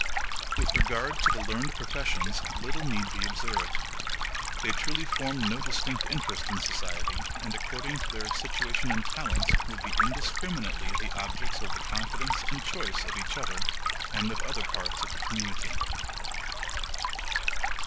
With regard to the learned professions, little need be observed; they truly form no distinct interest in society, and according to their situation and talents, will be indiscriminately the objects of the confidence and choice of each other, and of other parts of the community.